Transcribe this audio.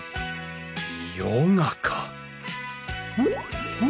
ヨガか！